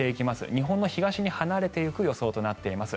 日本の東に離れていく予想となっています。